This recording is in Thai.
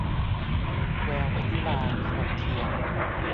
แววมยุรา - พนมเทียน